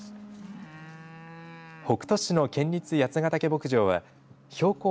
北杜市の県立八ヶ岳牧場は標高